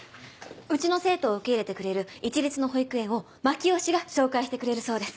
うちの生徒を受け入れてくれる市立の保育園を槙尾市が紹介してくれるそうです。